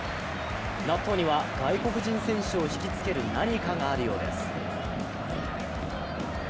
納豆には外国人選手を引き付ける何かがあるようです。